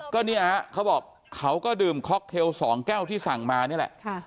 ก็เนี่ยเขาบอกเขาก็ดื่มค็อกเทล๒แก้วที่สั่งมานี่แหละ